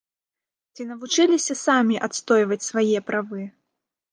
Ці навучыліся самі адстойваць свае правы?